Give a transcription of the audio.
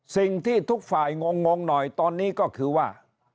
สิ่งที่ทุกฝ่ายงงหน่อยตอนนี้ก็คือว่า